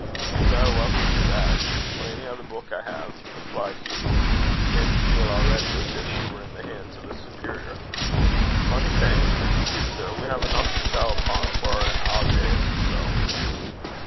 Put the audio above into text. "Ye're verra welcome to that or ony ither beuk I hae," replied Hugh, who began to feel already as if he were in the hands of a superior. "Mony thanks; but ye see, sir, we hae eneuch to chow upo' for an aucht days or so."